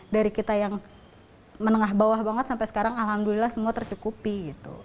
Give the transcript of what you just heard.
dari kita yang menengah bawah banget sampai sekarang alhamdulillah semua tercukupi gitu